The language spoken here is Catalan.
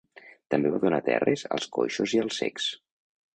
També va donar terres als coixos i als cecs.